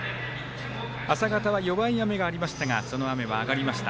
朝方は弱い雨がありましたがその雨はあがりました。